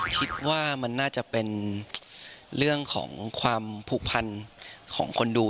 คิดว่ามันน่าจะเป็นเรื่องของความผูกพันของคนดู